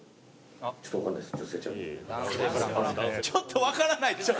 「ちょっとわからないです」。